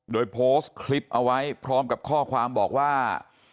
โดยโพสต์คลิปเอาไว้พร้อมกับข้อความบอกว่า